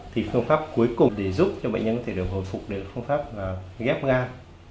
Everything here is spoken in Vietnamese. thì phương pháp cuối cùng để giúp cho bệnh nhân có thể được hồi phục được phương pháp ghép gan